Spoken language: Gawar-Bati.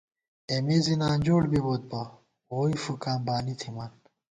اېمے زی نانجوڑ بِبوئیت بہ، ووئی فُکاں بانی تھِمان